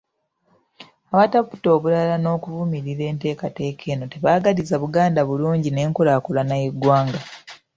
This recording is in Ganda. Abataputa obulala n'okuvumirira enteekateeka eno tebaagaliza Buganda bulungi n'enkulaakulana y'eggwanga.